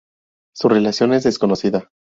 Su relación es desconocida.